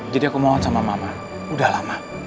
jadi aku mohon sama mama udah lah ma